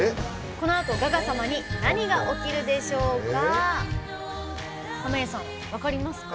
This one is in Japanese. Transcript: このあと、ガガ様に何が起きるでしょうか？